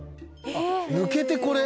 あっ抜けてこれ？